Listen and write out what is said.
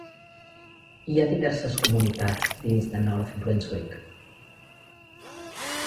Hi ha diverses comunitats dins de North Brunswick.